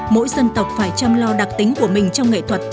mỗi dân tộc phải chăm lo đặc tính của mình trong nghệ thuật